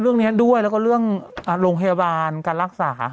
เรื่องนี้ด้วยแล้วก็เรื่องโรงพยาบาลการรักษา